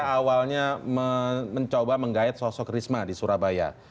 pdip awalnya mencoba menggayat sosok risma di surabaya